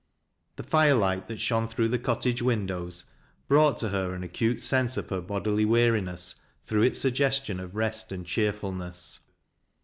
The firelight that shone through the cottage windows brought to her an acute sense of her bodily weariness through its suggestion of rest and cheerfulness.